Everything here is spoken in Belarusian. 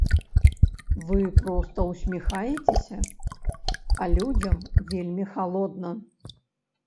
Вы проста ўсміхаецеся, а людзям вельмі халодна.